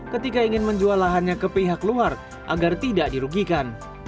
ketika ingin menjual lahannya ke pihak luar agar tidak dirugikan